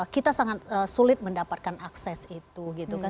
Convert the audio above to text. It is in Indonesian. kita sangat sulit mendapatkan akses itu